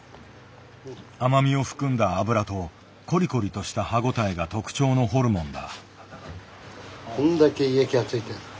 甘みを含んだ脂とコリコリとした歯応えが特徴のホルモンだ。